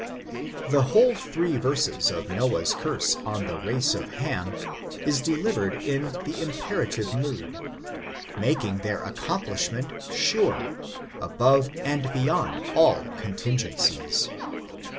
The whole three verses of Noah's curse on the race of Ham is delivered in the imperative mood, making their accomplishment sure, above and beyond all contingencies.